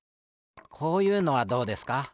こういうのはどうですか？